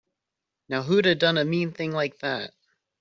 Now who'da done a mean thing like that?